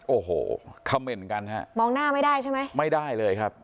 โอ้โหคำเมนต์กันฮะมองหน้าไม่ได้ใช่ไหมไม่ได้เลยครับ